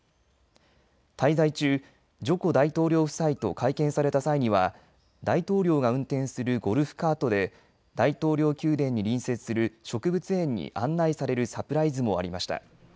滞在中、ジョコ大統領夫妻と会見された際には大統領が運転するゴルフカートで大統領宮殿に隣接する植物園に案内されるサプライズもありました。